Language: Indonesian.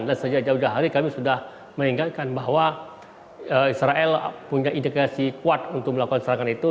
dan sejak jauh jauh hari kami sudah mengingatkan bahwa israel punya ideasi kuat untuk melakukan serangan itu